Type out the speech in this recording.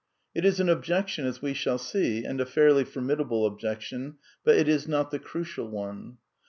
It is an objection, as we shall see, and a fairly formidable objection, but it is not the crucial one.